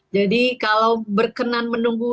jadi kalau berkenan menunggu